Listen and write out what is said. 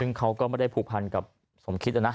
ซึ่งเขาก็ไม่ได้ผูกพันกับสมคิดนะนะ